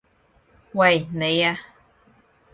喂！你啊！